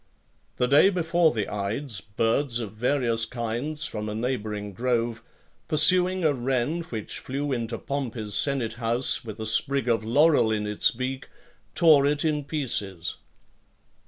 The day before the ides, birds of various kinds from a neighbouring grove, pursuing a wren which flew into Pompey's senate house , with a sprig of laurel in its beak, tore it in pieces.